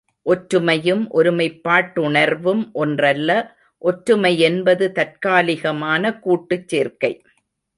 ஒற்றுமையும், ஒருமைப்பாட்டுணர்வும் ஒன்றல்ல ஒற்றுமையென்பது தற்காலிகமான கூட்டுச் சேர்க்கை.